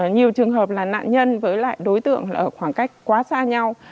nhiều trường hợp là nạn nhân với lại đối tượng ở khoảng cách quá xa nhau